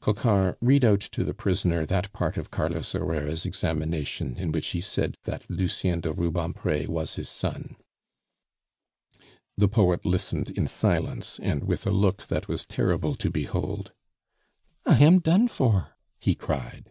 "Coquart, read out to the prisoner that part of Carlos Herrera's examination in which he said that Lucien de Rubempre was his son." The poet listened in silence, and with a look that was terrible to behold. "I am done for!" he cried.